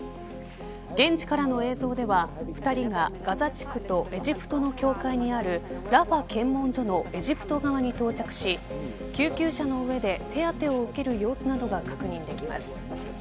現地からの映像では２人がガザ地区とエジプトの境界にあるラファ検問所のエジプト側に到着し救急車の上で手当を受ける様子などが確認できます。